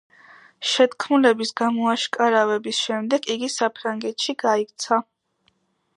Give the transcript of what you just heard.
შეთქმულების გამოაშკარავების შემდეგ იგი საფრანგეთში გაიქცა.